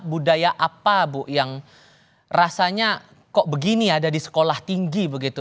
budaya apa bu yang rasanya kok begini ada di sekolah tinggi begitu